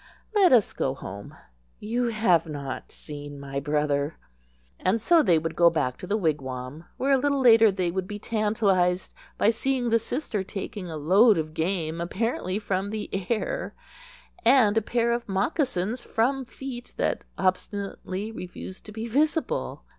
"Let us go home. You have not seen my brother." And so they would go back to the wigwam, where, a little later, they would be tantalized by seeing the sister taking a load of game apparently from the air, and a pair of moccasins from feet that obstinately refused to be visible.